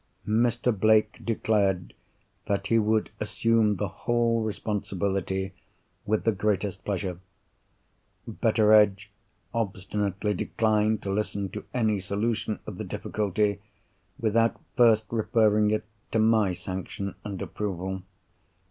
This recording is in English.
Mr. Blake declared that he would assume the whole responsibility with the greatest pleasure. Betteredge obstinately declined to listen to any solution of the difficulty, without first referring it to my sanction and approval.